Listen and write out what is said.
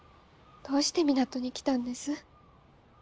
どうして港に来たんです？